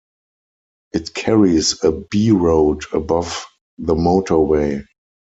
It carries a B road above the motorway.